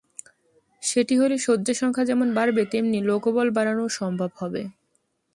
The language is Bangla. সেটি হলে শয্যা সংখ্যা যেমন বাড়বে তেমনি লোকবল বাড়ানোও সম্ভব হবে।